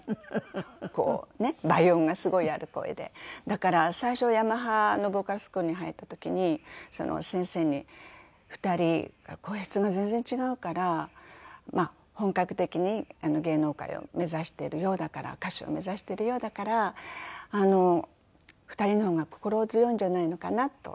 だから最初ヤマハのボーカルスクールに入った時にその先生に「２人声質が全然違うから本格的に芸能界を目指しているようだから歌手を目指しているようだから２人の方が心強いんじゃないのかな」と。